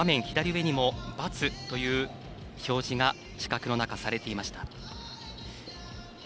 左上にも×という表示が四角の中されていました。